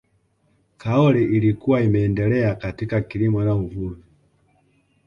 kaole ilikuwa imeendelea katika kilimo na uvuvi